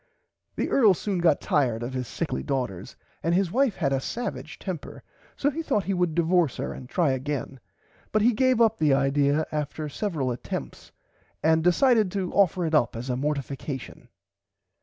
The Earl soon got tired of his sickly daughters and his wife had a savage temper so he thourght he would divorce her and try again but he gave up the idear after [Pg 105] several attempts and decided to offer it up as a Mortification.